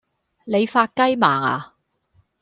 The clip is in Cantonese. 你發雞盲呀